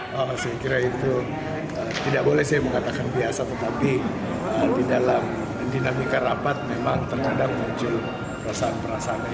saya kira itu tidak boleh saya mengatakan biasa tetapi di dalam dinamika rapat memang terkadang muncul perasaan perasaan